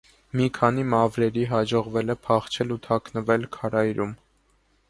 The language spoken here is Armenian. Մի քանի մավրերի հաջողվել է փախչել ու թաքնվել քարայրում։